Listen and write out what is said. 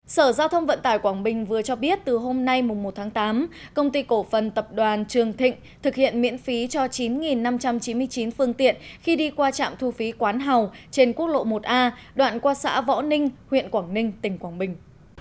sở giao thông vận tải quảng bình vừa cho biết từ hôm nay một tháng tám công ty cổ phần tập đoàn trường thịnh thực hiện miễn phí cho chín năm trăm chín mươi chín phương tiện khi đi qua trạm thu phí quán hào trên quốc lộ một a đoạn qua xã võ ninh huyện quảng ninh tỉnh quảng bình